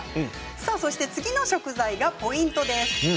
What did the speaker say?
さあ、そして次の食材がポイントです。